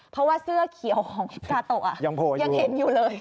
เพราะว่าเสื้อเขียวของพระตกยังเห็นอยู่เลย